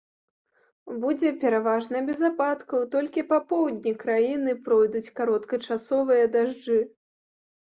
Будзе пераважна без ападкаў, толькі па поўдні краіны пройдуць кароткачасовыя дажджы.